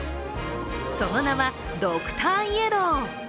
その名はドクターイエロー。